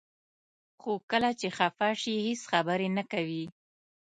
خو کله چې خفه شي هیڅ خبرې نه کوي.